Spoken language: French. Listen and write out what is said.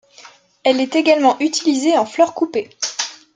Elle est également utilisée en fleur coupée.